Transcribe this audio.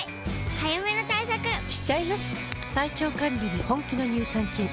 早めの対策しちゃいます。